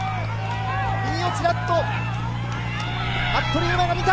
右をちらっと服部勇馬が見た。